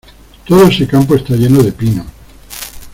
Todo ese campo está lleno de pinos.